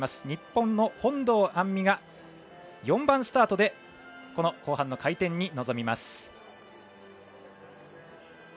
日本の本堂杏実が４番スタートでこの後半の回転に臨みます。